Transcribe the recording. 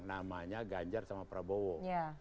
namanya ganjar sama prabowo